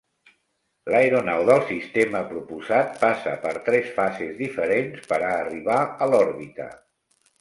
L'aeronau del sistema proposat passa per tres fases diferents per a arribar a l'òrbita.